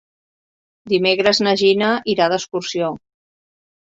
Dimecres na Gina irà d'excursió.